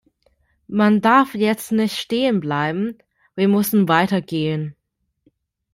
Man darf jetzt nicht stehenbleiben, wir müssen weitergehen.